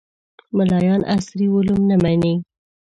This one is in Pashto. ملایان عصري علوم نه مني